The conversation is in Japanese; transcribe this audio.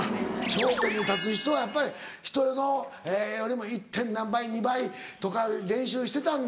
頂点に立つ人はやっぱり人よりも１．何倍２倍とか練習してたんだ。